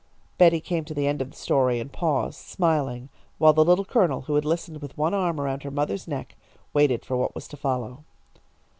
Betty came to the end of the story and paused, smiling, while the Little Colonel, who had listened with one arm around her mother's neck, waited for what was to follow.